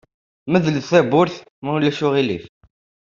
Medlet tawwurt, ma ulac aɣilif.